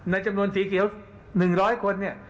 ในจำนวนสีเขียว๑๐๐คน